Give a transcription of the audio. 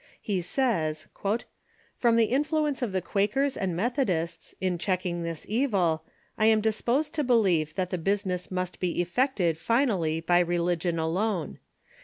He says :" From the influence of the Quakers and Methodists in checking this evil, I am disposed to believe that the business must be effect ed finally by religion alone.